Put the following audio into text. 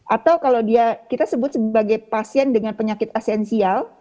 atau kalau dia kita sebut sebagai pasien dengan penyakit esensial